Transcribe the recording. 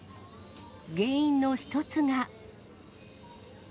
原因の一つが。